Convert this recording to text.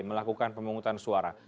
melakukan pemungutan suara